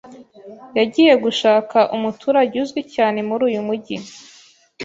yagiye gushaka umuturage uzwi cyane muri uyu mujyi.